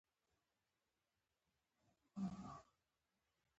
موږ باید په خور لور تعليم حتماً وکړو.